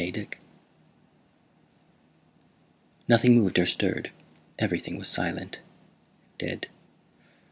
DICK _Nothing moved or stirred. Everything was silent, dead.